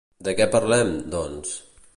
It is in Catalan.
De què parlem, doncs?